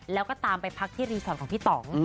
แล้วก็ตามไปพักที่รีสอร์ทของพี่ต่อง